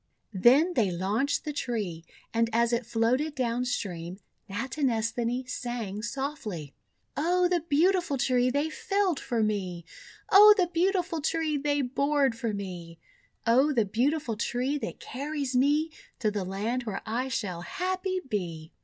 Then they launched the tree, and as it floated down stream, Natinesthani sang softly :— "0 the beautiful Tree, they felled for me! 0 the beautiful Tree, they bored for me! 0 the beautiful Tree, that carries me To the Land where I shall happy be!''